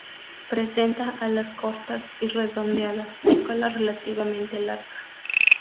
Presenta alas cortas y redondeadas y cola relativamente larga.